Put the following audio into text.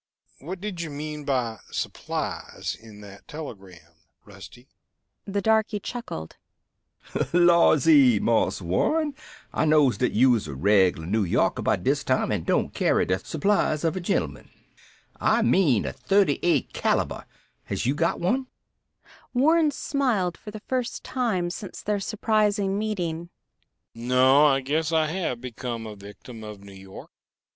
What did you mean by 'supplies' in that telegram, Rusty?" The darky chuckled. "Lawsee, Marse Warren, I knows dat you is a reg'lar Noo Yorker by dis time and don't carry de supplies of a gentlemen. I mean a .38 caliber! Has you got one?" Warren smiled for the first time since their surprising meeting. "No, I guess I have become a victim of New York.